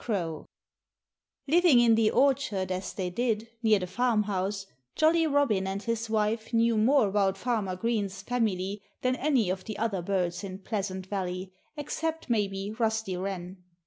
CROW Living in the orchard as they did, near the farmhouse, Jolly Robin and his wife knew more about Farmer Green's family than any of the other birds in Pleasant Valley, except maybe Rusty Wren.